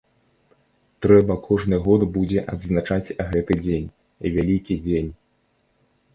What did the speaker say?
Трэба кожны год будзе адзначаць гэты дзень, вялікі дзень.